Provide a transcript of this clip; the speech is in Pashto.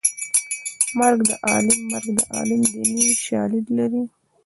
مرګ د عالم مرګ د عالم دیني شالید لري